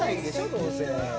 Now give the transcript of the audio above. どうせ」